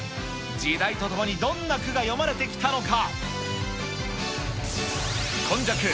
時代と共にどんな句が詠まれてきたのか。